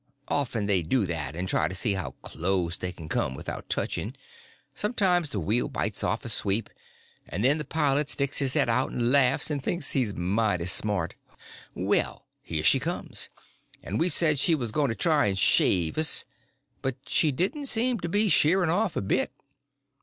Often they do that and try to see how close they can come without touching; sometimes the wheel bites off a sweep, and then the pilot sticks his head out and laughs, and thinks he's mighty smart. Well, here she comes, and we said she was going to try and shave us; but she didn't seem to be sheering off a bit.